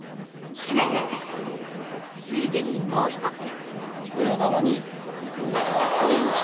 ついでに、もう１つ。